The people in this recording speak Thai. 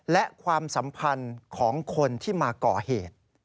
และความสัมพันธ์ของคนที่มาก่อเหตุ